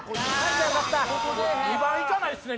２番いかないっすね